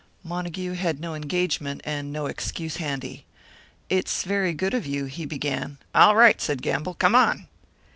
Montague had no engagement, and no excuse handy. "It's very good of you " he began. "All right," said Gamble. "Come on."